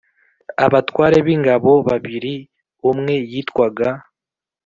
abatware b ingabo babiri umwe yitwaga